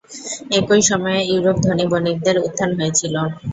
একই সময়ে, ইউরোপ "ধনী বণিকদের উত্থান" হয়েছিলো।